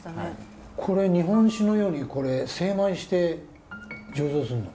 これ日本酒のように精米して醸造するの？